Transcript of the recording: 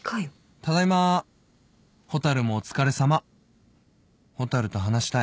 「ただいま」「蛍もお疲れ様」「蛍と話したい」